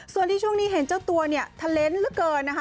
ส่วนที่ช่วงนี้เห็นเจ้าตัวเนี่ยเทลนส์เหลือเกินนะคะ